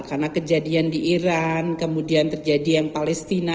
karena kejadian di iran kemudian terjadi yang palestina